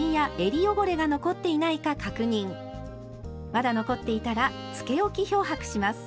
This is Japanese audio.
まだ残っていたらつけ置き漂白します。